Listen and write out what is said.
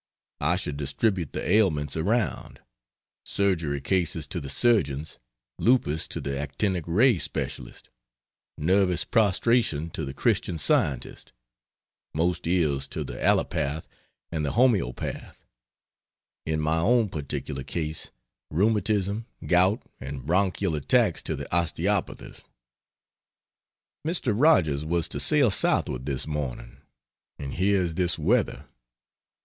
I should distribute the ailments around: surgery cases to the surgeons; lupus to the actinic ray specialist; nervous prostration to the Christian Scientist; most ills to the allopath and the homeopath; (in my own particular case) rheumatism, gout and bronchial attacks to the osteopathist. Mr. Rogers was to sail southward this morning and here is this weather!